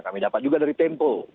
kami dapat juga dari tempo